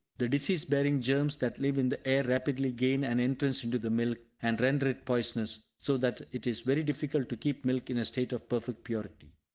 The disease bearing germs that live in the air rapidly gain an entrance into the milk, and render it poisonous, so that it is very difficult to keep milk in a state of perfect purity.